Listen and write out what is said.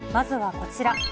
まずはこちら。